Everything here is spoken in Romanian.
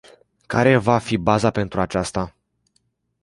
Care va fi baza pentru acesta?